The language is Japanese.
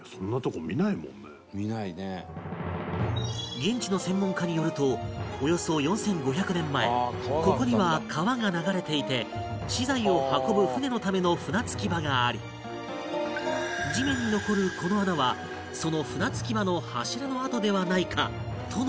現地の専門家によるとおよそ４５００年前ここには川が流れていて資材を運ぶ船のための船着き場があり地面に残るこの穴はその船着き場の柱の跡ではないかとの事